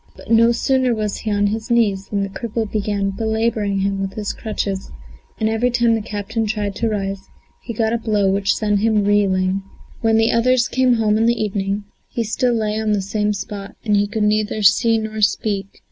But no sooner was he on his knees than the cripple began belabouring him with his crutches, and every time the captain tried to rise, he got a blow which sent him reeling. When the others came home in the evening, he still lay on the same spot and could neither see nor speak.